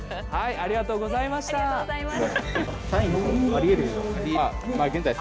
ありがとうございます。